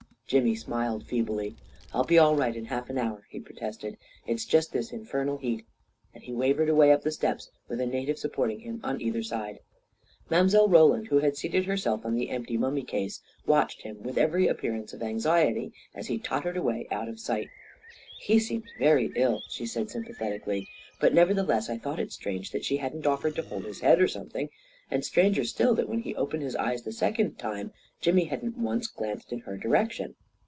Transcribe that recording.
Jimmy smiled feebly. " I'll be all right in half an hour," he protested. " It's just this infernal heat," and he wavered away up the steps, with a native supporting him on either side. Mile. Roland, who had seated herself on the empty mummy case, watched him with every appear ance of anxiety as he tottered away out of sight. " He seems very ill," she said, sympathetically; but nevertheless I thought it strange that she hadn't offered to hold his head, or something ; and stranger still that, when he opened his eyes the second time, Jimmy hadn't once glanced in her direction.